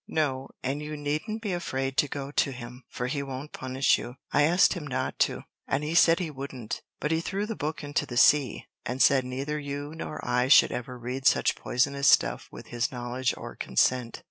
"No; and you needn't be afraid to go to him, for he won't punish you; I asked him not to, and he said he wouldn't. But he threw the book into the sea, and said neither you nor I should ever read such poisonous stuff with his knowledge or consent."